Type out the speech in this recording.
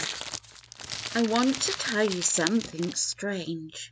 66 T WANT to tell you something strange